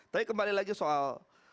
tapi kembali lagi soal